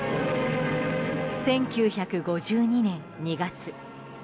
１９５２年２月。